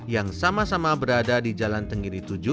yang sama sama berada di jalan tenggiri tujuh